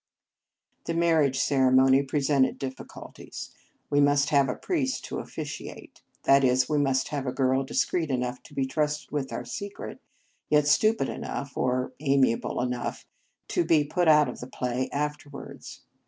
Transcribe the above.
The marriage ceremony presented difficulties. We must have a priest to officiate; that is, we must have a girl discreet enough to be trusted with our secret, yet stupid enough, or ami able enough, to be put out of the play afterwards.